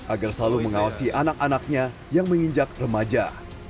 agar selalu mengawasi anak anaknya yang menginjak remaja